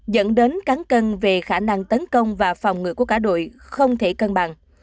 dẫn đến cán cân về khả năng tấn công và phòng ngự của cả đội không thể cân bằng